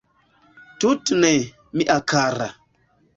Tute ne, mia kara.